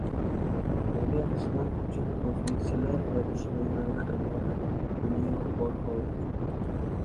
Nega Gʻishmat uchun oʻzbekchilik va dushmanlardan iborat dunyo bor xolos?